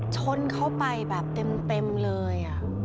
ชนเข้าไปแบบเต็มเลย